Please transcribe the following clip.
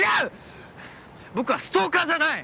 僕はストーカーじゃない！